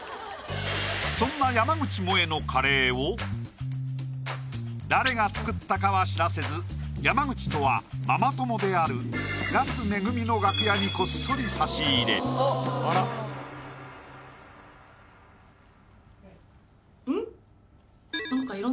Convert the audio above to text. そんな山口もえのカレーを誰が作ったかは知らせず山口とはママ友である安めぐみの楽屋にこっそり差し入れん？